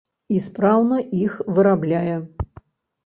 І спраўна іх вырабляе.